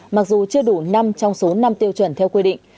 mặc dù chưa đủ năm trong số năm tiêu chuẩn theo quy định